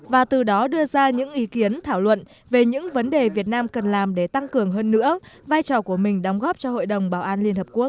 và từ đó đưa ra những ý kiến thảo luận về những vấn đề việt nam cần làm để tăng cường hơn nữa vai trò của mình đóng góp cho hội đồng bảo an liên hợp quốc